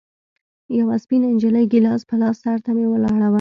يوه سپينه نجلۍ ګيلاس په لاس سر ته مې ولاړه وه.